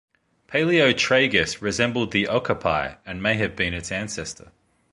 "Paleotragus" resembled the okapi and may have been its ancestor.